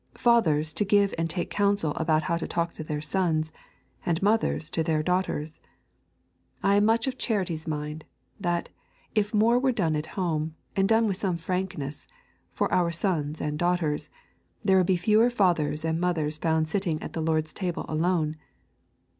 Fathers to give and take counsel about how to talk to their sons, and mothers to their daughters. I am much of Charity's mind, that, if more were done at home, and done with some frankness, for our sons and daughters, there would be fewer fathers and mothers found sitting at the Lord's table alone.